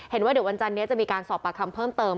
เห็นว่าเดี๋ยววันจันนี้จะมีการสอบปากคำเพิ่มเติม